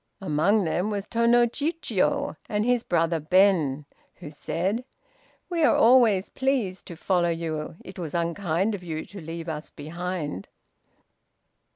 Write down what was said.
Among them was Tô no Chiûjiô, and his brother Ben, who said: "We are always pleased to follow you; it was unkind of you to leave us behind."